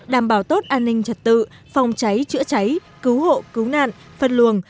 đảm bảo tốt an ninh trật tự phòng cháy chữa cháy cứu hộ cứu nạn phân luồng